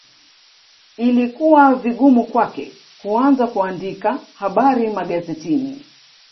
Ilikuwa vigumu kwake kuanza kuandika habari magazetini